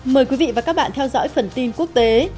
mời quý vị và các bạn theo dõi phần tin quốc tế